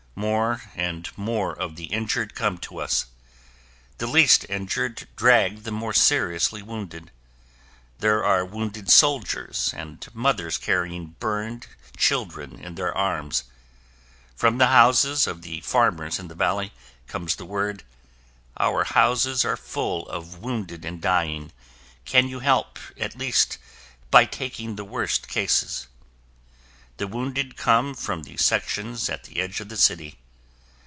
More and more of the injured come to us. The least injured drag the more seriously wounded. There are wounded soldiers, and mothers carrying burned children in their arms. From the houses of the farmers in the valley comes word: "Our houses are full of wounded and dying. Can you help, at least by taking the worst cases?" The wounded come from the sections at the edge of the city.